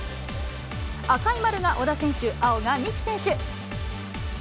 赤い丸が小田選手、青が三木選手。